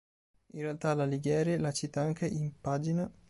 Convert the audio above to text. In realtà l'Alighieri la cita anche in Pg.